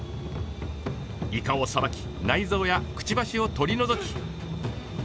イカをさばき内臓やクチバシを取り除き。